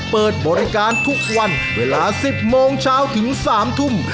เปิดบริการทุกวันเวลา๑๐โมงเช้าถึง๓ทุ่ม